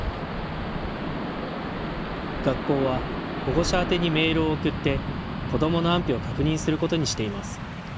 学校は保護者宛にメールを送って子どもの安否を確認することにしています。